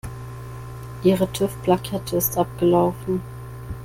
Ihre TÜV-Plakette ist abgelaufen.